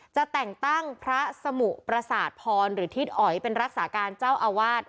จะแต่งตั้งพระสมุประสาทพรหรือทิศอ๋อยเป็นรักษาการเจ้าอาวาส